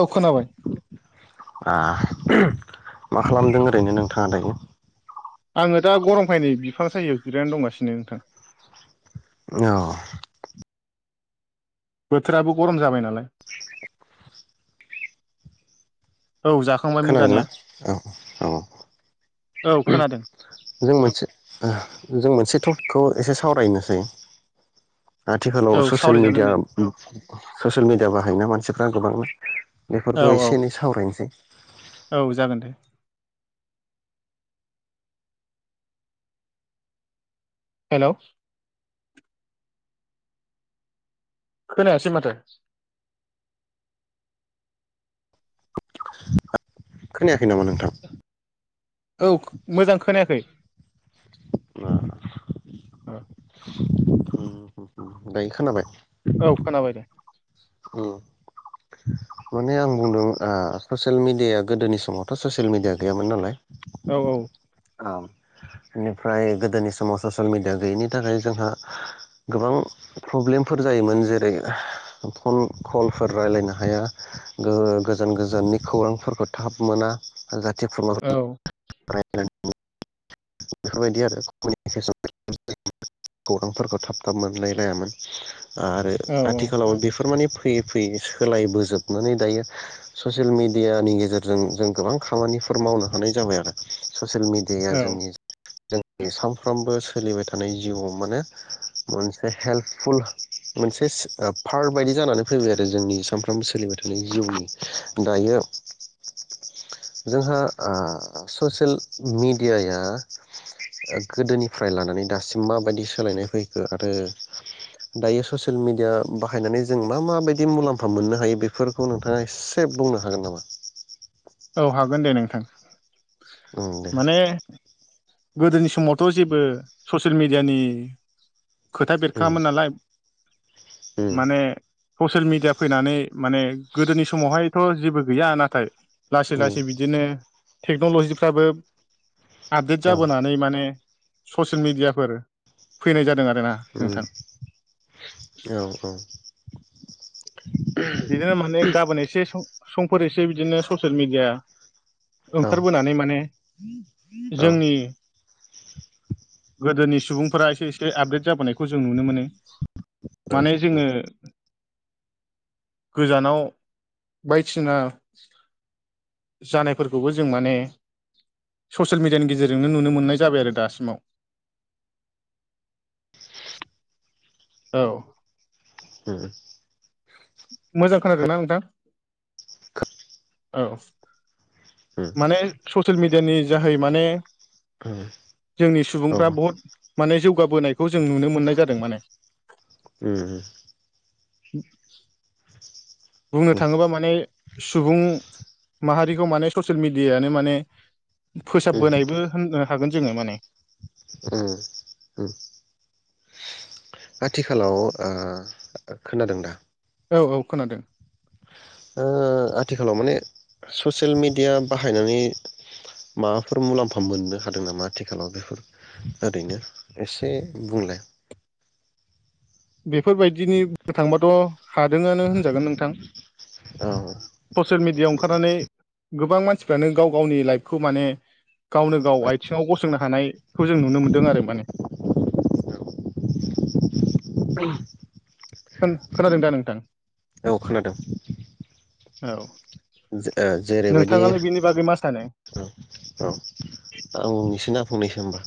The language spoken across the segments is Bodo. औ खोनाबाय। आ मा खालामदों ओरैनो नोंथाङा दायो? आङो दा गरमखाय नै बिफां सायायाव जिरायनानै दंगासिनो नोंथां। औ बोथोराबो गरम जाबाय नालाय। औ जाखांबायमोन खोनादोंना जानाया औ औ औ खोनादों जों मोनसे ओ जों मोनसे टपिकखौ एसे सावरायनोसै? आथिखालाव औ ससियेल सावरायजागोन मिडिया दे ससियेल मिडिया बाहायोना मानसिफोरा फ्रा गोबां औ बेफोरखौ औ एसे एनै सावरायनोसै औ जागोन दे हेल' खोनायासै माथो खोनाया औ मोजां खोनायाखै ओ औ। दायो खोनाबाय औ खोनाबाय दे उम। [inaudible] माने आं बुंदों ओ ससियेल मिडिया गोदोनि समावथ' ससियेल मिडिया गैयामोन नालाय औ औ। बेनिफ्राय गोदोनि समाव ससियेल मेडिया गैयैनि थाखाय जोंहा गोबां प्रब्लेमफोर जायोमोन जेरै फन कलफोर राय्लायनो हाया गोजान गोजाननि खौरांफोरखौ थाब मोना। जाथि औ खुरमाफोरनि [unintelligible] बेफोरबायदि आरो [unintelligible] खौरांफोरखौ थाब थाब मोनलायलायामोन। आरो औ आथिखालाव बेफोर माने फैयै फैयै सोलायबोजोबनानै दायो ससियेल मिडियानि गेजेरजों जों गोबां खामानिफोर मावनो हानाय जाबाय आरो ससियेल मिडिया औ जोंनि जोंनि सानफ्रामबो सोलिबाय थानाय जिउआव माने मोन हेल्पफुल मोन पार्ट बायदि जानानै फैबाय आरो जोंनि सानफ्रामबो सोलिबाय थानाय जिउनि दायो जोंहा मिदियाया गोदोनिफ्राय लानानै दासिम माबायदि सोलायनाय फैखो आरो दायो ससेयेल मिडिया बाहायनानै जों मा माबायदि मुलाम्फा मोननो हायो बेफोरखौ नोंथाङा एसे बुंनो हागोन नामा थां उम दे माने गोदोनि समावथ' जेबो ससियेल मिडियानि खोथा उम बेरखाङामोन नालाय माने उम ससियेल मिडिया फैनानै माने गोदोनि समावहायथ' जेबो गैया नाथाय लासै उम लासै बिदिनो टेक्न'लजिफ्राबो आपडेट औ जाबोनानै माने ससियेल मिडियाफोर फैनाय जादों आरो उम औ औ। बिदिनो माने गाबोन एसे समफोर एसे बिदिनो ससियेल मेडिया औ ओंखारबोनानै माने औ जोंनि गोदोनि सुबुंफोरा एसे एसे आपडेट जाबोनायखौ जों नुनो मोनो उम माने उम औ उम जोङो। गोजानाव बायदिसिना जानायफोरखौबो जों माने ससियेल मिडियानि गेजेरजोंनो नुनो मोननाय जाबाय आरो दासिमाव। [inaudible] औ। उम। मोजां खोनादोंना नोंथां? खो औ। माने ससियेल मिडियानि जाहै माने जोंनि सुबुंफ्रा बहुत माने जौगाबोनायखौ जों नुनो मोननाय जादों माने। उ बुंनो उम थाङोबा माने सुबुं माहारिखौ माने ससियेल मिडियानो माने उम फोसाबबोनायबो होननो हागोन। जोङो माने। ओ ओम आथिखालाव ओ खोनादों दा? औ औ खोनादों। ओ आथिखालाव माने ससियेल मेडिया बाहायनानै माबाफोर मुलाम्फा मोननो हादों नामा आथिखालाव बेफोर ओरैनो एसे बुंलाय। बेफोरबायदिनि बुंनो थांबाथ' हादोंआनो होनजागोन नोंथां औ ससियेल मिडियाआव ओंखारनानै गोबां मानसिफ्रानो गाव गावनि लाइफखौ माने गावनो गाव आथिङाव गसंनो हानायखौ जों नुनो मोन्दों आरो माने। खोन खोनादों दा नोंथां? औ खोनादों औ। जेरैबायदि नोंथाङालाय बिनि बागै मा सानो। औ औ आं बुंनोसैना फंनैसो ओमबा।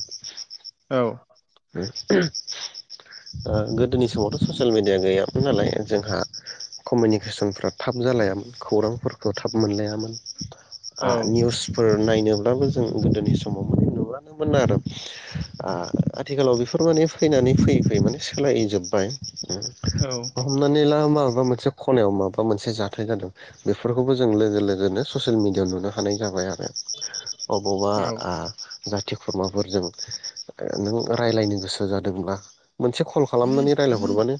औ। ओ ओ गोदोनि समावथ' ससियेल मिडिया गैयामोन नालाय जोंहा कमिउनिकेसनफ्रा थाब जालायामोन खौरांफोरखौ थाब मोनलायामोन। आ औ निउसफोर नायनोब्लाबो जों गोदोनि समाव माने नुलानोमोन आरो आ आथिखालाव बेफोर माने फैनानै फैयै फैयै माने सोलायजोब्बाय। औ हमनानैला मााबामोन मोनसे खनायाव माबा मोनसे जाथाय जादों बेफोरखौबो जों लोगो लोगोनो ससियेल मिडियाआव नुनो हानाय जाबाय आ अबावबा औ आ जाथि खुरमाफोरजों ओ नों रायलायनो गोसो जादोंब्ला मोनसे कल खालामनानै रायलायहरबानो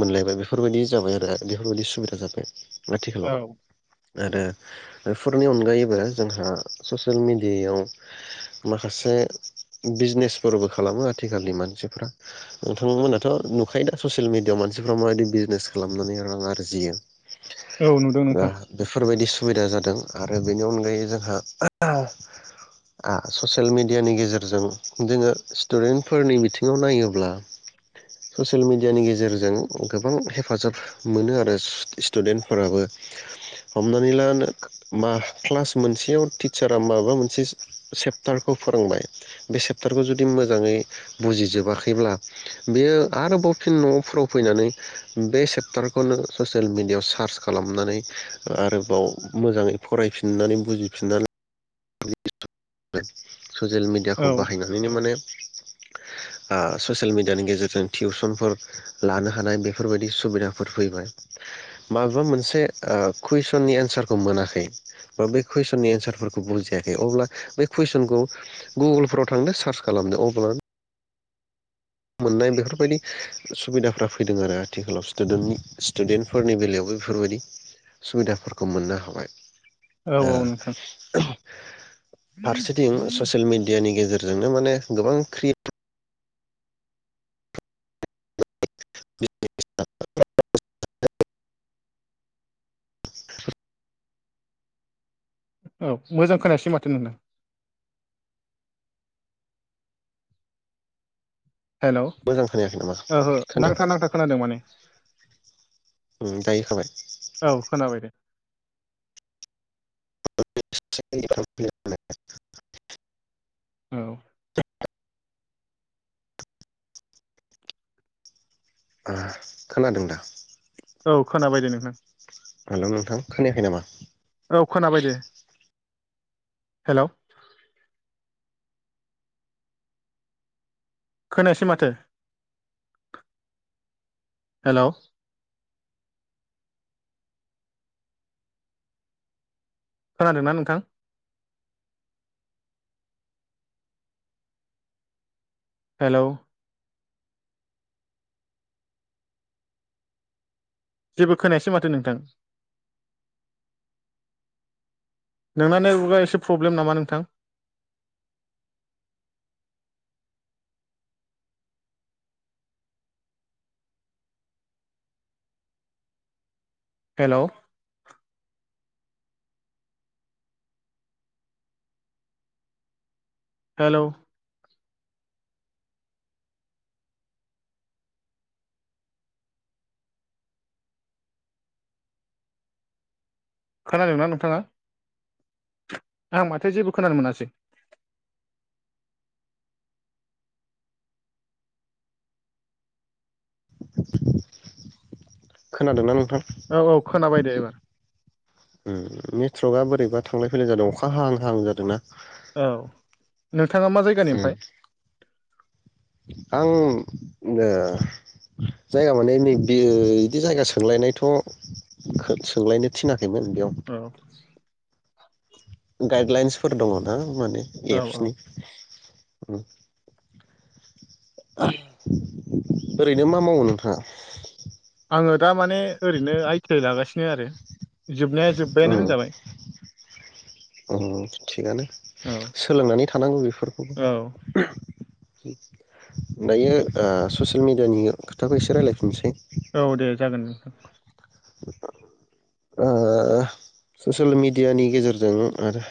मोनलायबाय बेफोरबायदि जाबाय आरो बेफोरबायदि सुबिदा जाबाय। औ आथिखालाव आरो बेफोरनि अनगायैबो जोंहा ससियेल मिडियायाव माखासे बिजनेसफोरबो खालामो आथिखालनि मानसिफ्रा नोंथांमोनाथ नुखायो दा ससियेल मिडियाआव मानसिफ्रा माबायदि बिजनेस खालामनानै रां आरजियो। औ नुदों दा नोंथां बेफोरबायदि सुबिदा जादों आरो बेनि अनगायै जोंहा ससियेल मेडियानि गेजेरजों जोङो स्टुडेन्टफोरनि बिथिङाव नायोब्ला ससियेल मेडियानि गेजेरजों गोबां हेफाजाब मोनो आरो स्टुडेन्टफोराबो हमनानै ला नो मा क्लास मोनसेयाव टिचारा माबा मोनसे सेप्टारखौ फोरोंबाय बे सेप्टारखौ जुदि मोजाङै बुजिजोबाखैब्ला बेयो आरोबाव फिन न'आवफोराव फैनानै बे सेप्टारखौनो ससियेल मिडियाआव सार्च खालामनानै आरोबाव मोजाङै फरायफिननानै बुजिफिननानै [unintelligible] ससियेल औ मिेडियाखौ बाहायनानैनो माने ससियेल मिडियानि गेजेरजों टिउसनफोर लानो हानाय बेफोरबायदि सुबिदाफोर फैबाय माबेबा मोनसे कुइसननि एन्सारखौ मोनाखै बा बे कुइसननि एन्सारफोरखौ बुजियाखै अब्ला बै कुइसनखौ गुगोलफोराव थांदों सार्च खालामदो अब्ला मोननाय बेफोरबायदि सुबिदा फोरा फैदों आरो आथिखालाव स्टु स्टुदेन्टफोरनि बेलायावबो बेफोरबायदि सुबिदाफोरखौ मोननो हाबाय। औ ओ औ नोंथां फारसेथिं ससियेल मिडियानि गेजेरजोंनो माने गोबां क्रियेटिभ [unintelligible] [inaudible] औ मोजां खोनायासै माथो नोंना हेलौ मोजां खोनायाखै नामा ओहो खोनादों नांथा नांथा खोनादों माने। उम दायोखाबाय औ खोनाबाय दे [unintelligible] औ [unintelligible] खोनादोंं दा औ खोनाबाय दे नोंथां हेलौ नोंथां खोनायाखै नामा? औ खोनाबाय दे हेलौ खोनायासै माथो हेलौ खोनादोंना नोंथां? हेलौ जेबो खोनायसै माथो नोंथां नोंना नेटवर्क आ एसे प्रब्लेम नामा नोंथां? हेलौ हेलौ खोनादोंंना नोंथाङा? आं माथो जेबो खोनानो मोनासै। खोनादोंनां? औ औ खोनाबाय दे एबार टर्कआ बोरैबा थांलाय फैलाय जादों अखा हाहां हां जादोंना औ [unintelligible] जायगानि ए ओमफ्राय [inaudible] आं जायगा माने नै बे बिदि जायगा सोंलायनायथ' सोंलायनो थिनाखै औ [unintelligible] गाइडलाइन्सफोर दङ ना? माने औ औ एपसनि [inaudible] ओरैनो मा मावो नोंथाङा? आङो दा माने ओरैनो आइ टि आइ लागासिनो आरो जोबनाया जोब्बायानो होनजाबाय ओ थिगानो औ सोलोंनानै थानांगौ बेफोरखौ औ दायो ओ ससियेल मिडियानि खोथाखौ एसे रायलायफिननोसै औ दे [inaudible] ओ ससियेल मिडियानि गेजेरजों आरो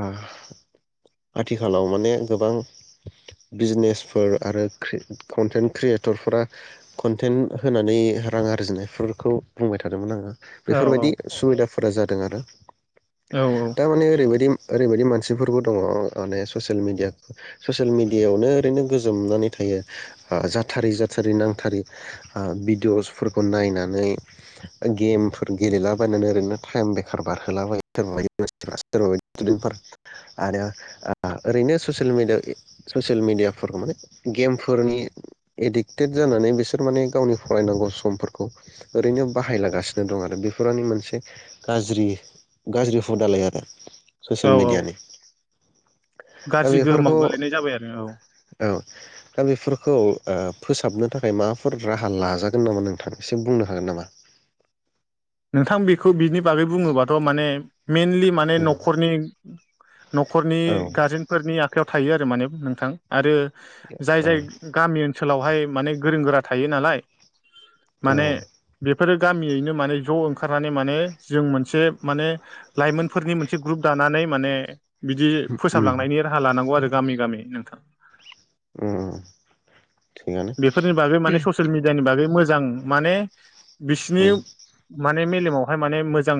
ओ आथिखालाव माने गोबां बिजनेसफोर आरो ख्रि कनटेन्ट क्रियेटरफोरा कनटेन्ट होनानै रां आरजिनायफोरखौ बुंबाय थादोंमोन आङो औ बेफोरबायदि सुबिदाफोर फोरा जादों आरो औ थारमाने ओरैबायदि ओरैबायदि मानसिफोरफोरखौ दङ माने ससियेल मिडिया ससियेल मिडियायावनो ओरैनो गोजोमनानै थायो ओ जाथारै जाथारै नांथारै भिडिअ'सफोरखौ नायनानै गेमफोर गेलेलाबायनानै ओरैनो टाइम बेखार बारहोला बायो सोरबाबायदि मानसिफोरा सोरबाबायदि स्टुडेन्टफोरा आरो ओ ओरैनो ससियेल ससियेल मेडियाफोराव माने गेमफोरनि एडिक्टेड जानानै बिसोर माने गावनि फरायनांगौ समफोरखौ ओरैनो बाहायलागासिनो दं आरो बेफोरनि मोनसे गाज्रि गाज्रि हुदालाय आरो। औ ससियेल औ मिडियानि दा गाज्रि गोहोमाव बेफोरखौ गोलैनाय जाबाय आरो औ औ दा बेफोरखौ ओ फोसाबनो थाखाय माबाफोर राहा लाजागोन नामा नोंथां एसेम बुंनो हागोन नामा? नोंथां बेखौ बिनि बागै बुङोबाथ' माने मेइनलि माने औ नखरनि नखरनि औ गार्जेनफोरनि आख खायाव थायो आरो माने नोंथां आरो जाय जाय गामि ओन ओनसोलावहाय माने गोरों गोरा थायो नालाय औ माने बेफोरो गामियैनो माने ज' ओंखारनानै माने जों मोनसे माने लाइमोनफोरनि मोनसे ग्रुप दानानै माने बिदि उम फोसाबलांनायनि राहा लानांगौ आरो गामि गामि नोंथां उम थिगानो बेफोरनि बागै माने ससियेल मिडियानि बागै मोजां जां माने बिसिनि उम माने मेलेमावहाय माने मोजां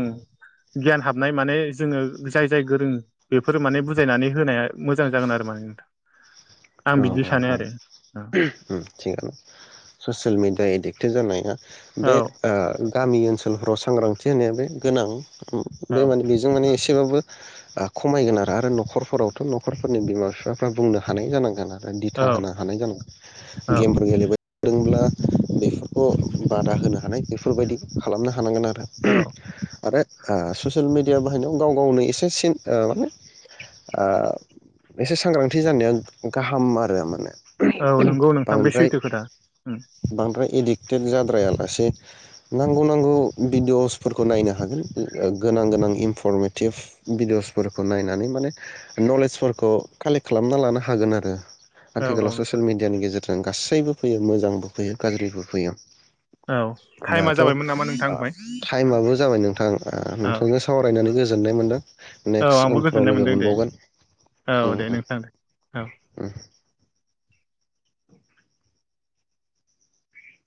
गियान हाबनाय माने जोङो जाय जाय गोरों बेफोर माने बुजायनानै होनाया मोजां जागोन आरो माने नोंथां। आं औ बिदि औ औ सानो आरो ओम थिगानो ससियेल मिडिया एडिक्टेड जानाय बे औ ओ गामि ओनसोलफोराव सांग्रांथि होनाया बे गोनां उम औ बे माने बेजों माने एसे सेबाबो ओ खमायगोन आरो आरो न'खरफोरावथ' न'खरफोरनि बिमा बिफाफ्रा बुंनो हानाय जानां [unintelligible] बा दिथा औ होनो हानाय जानांगोन औ गेमफोर गेलेबाय दोंब्ला बेफोरखौ बादा होनो हानाय बेफोरबायदि खालामनो थानांगोन आरो औ आरो आ ससियेल मिडिया बाहायनायाव गाव गावनो एसे सिन ओ माने आ एसे सांग्रांथि जानाया गाहाम आरो माने औ नंगौ नोंथां बे बांद्राय सैथो खोथा ओम बांद्राय एडिक्टेड जाद्रायालासे नांगौ नांगौ भिडिअसफोरखौ नायनो हागोन गोनां गोनां इनफरमेटिभ भिडिअसफोरखौ नायनानै माने नलेजफोरखौ कालेक्ट खालामना लानो हागोन आरो औ औ आथिखालाव नोंथां ससियेल मिडियानि गेजेर जों गासैबो फैयो मोजांबो फैयो गाज्रिबो फैयो औ थाइमा दाथ' जाबायमोन नामा नोंथां ओमफाय टाइमाबो जाबाय नोंथां नोंथांजों सावरायनानै गोज गोजोननाय मोनदों औ नेक्स्ट आंबो उनफ्राव गोजोननाय लोगो मोनदों दे मोनबावगोन औ दे नोंथां दे औ ओम